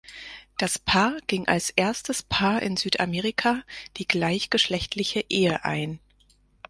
Das Paar ging als erstes Paar in Südamerika die gleichgeschlechtliche Ehe ein.